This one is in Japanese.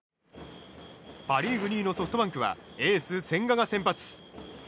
パ・リーグ２位のソフトバンクはエース千賀が先発。